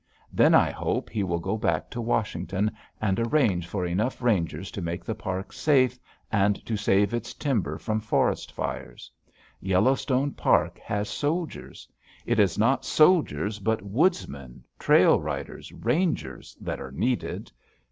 Then I hope he will go back to Washington and arrange for enough rangers to make the park safe and to save its timber from forest fires. Yellowstone Park has soldiers. It is not soldiers, but woodsmen, trail riders, rangers, that are needed.